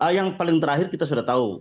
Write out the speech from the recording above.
yang paling terakhir kita sudah tahu